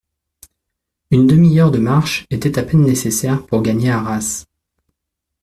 Une demi-heure de marche était à peine nécessaire pour gagner Arras.